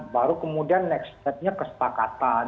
baru kemudian next step nya kesepakatan